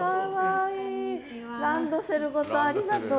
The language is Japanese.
ランドセルごとありがとう。